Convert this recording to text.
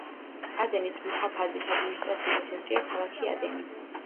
ადენის მუჰაფაზის ადმინისტრაციული ცენტრია ქალაქი ადენი.